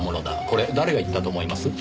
これ誰が言ったと思います？